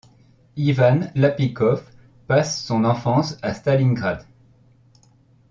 Ivan Lapikov passe son enfance à Stalingrad.